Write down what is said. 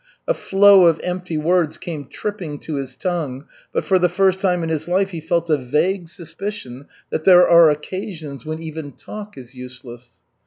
A flow of empty words came tripping to his tongue, but for the first time in his life he felt a vague suspicion that there are occasions when even talk is useless.